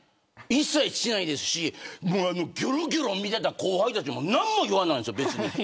一切しないですしぎょろぎょろ見ていた後輩たちも何も言わないんですよ、別に。